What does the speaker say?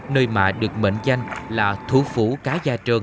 nơi mà được mệnh danh là thủ phủ cá gia trơn